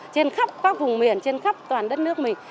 trên khắp các vùng miền trên khắp toàn đất nước mình